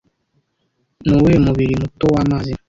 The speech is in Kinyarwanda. Nuwuhe mubiri muto wamazi